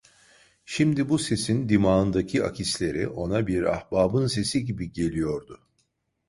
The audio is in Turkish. Şimdi bu sesin dimağındaki akisleri ona bir ahbabın sesi gibi geliyordu.